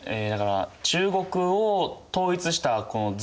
中国を統一したこの隋。